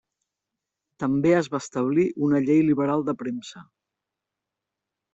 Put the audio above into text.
També es va establir una llei liberal de premsa.